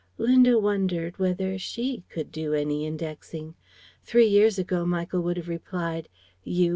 Linda wondered whether she could do any indexing? Three years ago Michael would have replied: "_You?